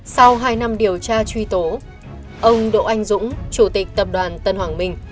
sau hai năm điều tra truy tố ông đỗ anh dũng chủ tịch tập đoàn tân hoàng minh